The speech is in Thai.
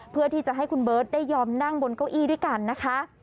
เพื่อที่จะให้คุณเบิร์ตได้ยอมนั่งบนเก้าอี้ด้วยกันนะคะ